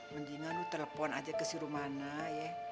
mendingan lu telepon aja ke si rumana ya